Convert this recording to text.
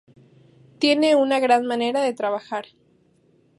Tiene una gran manera de trabajar.